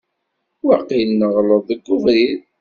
Waqil neɣleḍ deg ubrid.